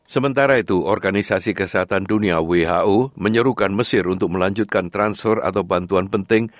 sementara itu organisasi kesehatan dunia who menyerukan mesir untuk melanjutkan transfer atau bantuan penting